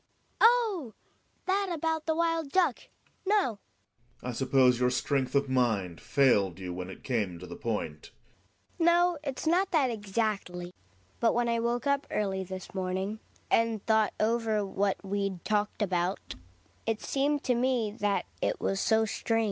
Oh! that about the wild duck. No, Gregers. I suppose your strength of mind failed you when it came to the point. Hedvig. No, it's not that exactly. But when I woke up early this morning and thought over what we'd talked about, it seemed to me that it was so strange